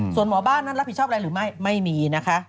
ส่วนหมอบ้านนั้นรับผิดชอบอะไรหรือไม่ไม่มีนะคะ